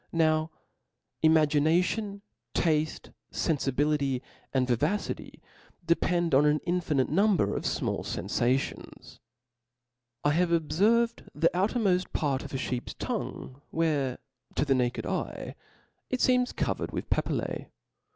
Now imagination, tafte, fenfibility, and vivacity, depend on an infinite number of fmall fenfations. I have obferved the outermofl: part of a Iheep's tongue, where to the naked eye it feems .covered with papilJaB.